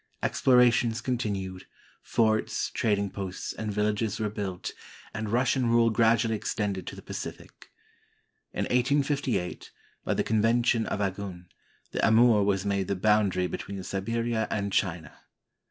Explorations continued, forts, trading posts, and villages were built, and Russian rule gradually extended to the Pacific. In 1858, by the Convention of Aigun, the Amur was made the boundary between Siberia and China.